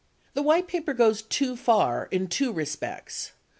The White Paper goes too far in two respects.